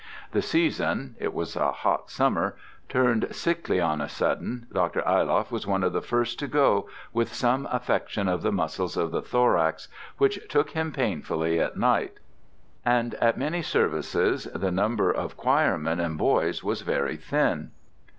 The season it was a hot summer turned sickly on a sudden. Dr. Ayloff was one of the first to go, with some affection of the muscles of the thorax, which took him painfully at night. And at many services the number of choirmen and boys was very thin.